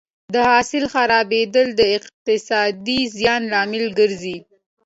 د حاصل خرابېدل د اقتصادي زیان لامل ګرځي.